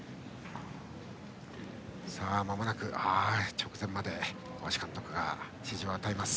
直前まで小橋監督が指示を与えます。